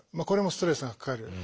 これもストレスがかかる。